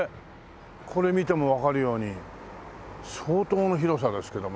これ見てもわかるように相当の広さですけどもね。